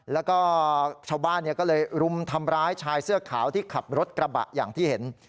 แล้วก็ชาวบ้านก็เลยรุมทำร้ายชายเสื้อขาวที่ขับรถกระบะอย่างที่เห็น